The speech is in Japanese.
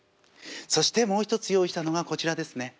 そしてもう一つ用意したのがこちらですね。